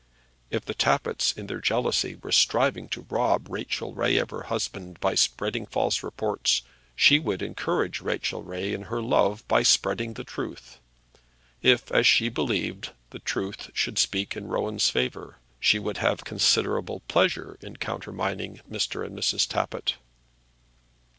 If the Tappitts in their jealousy were striving to rob Rachel Ray of her husband by spreading false reports, she would encourage Rachel Ray in her love by spreading the truth; if, as she believed, the truth should speak in Rowan's favour. She would have considerable pleasure in countermining Mr. and Mrs. Tappitt.